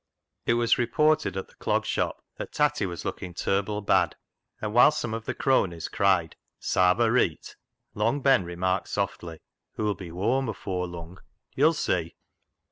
It was reported at the Clog Shop that Tatty was looking " ter'ble bad "; and whilst some of the cronies cried, " Sarve her reet," Long Ben remarked softly, " Hoo'll be whoam afoor lung, yo'll see."